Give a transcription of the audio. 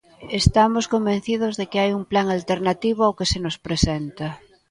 Estamos convencidos de que hai un plan alternativo ao que se nos presenta.